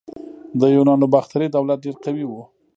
د یونانو باختري دولت ډیر قوي و